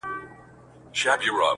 • اې ه سترگو کي کينه را وړم.